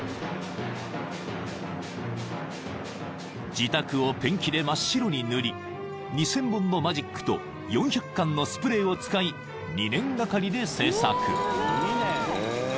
［自宅をペンキで真っ白に塗り２，０００本のマジックと４００缶のスプレーを使い２年がかりで制作］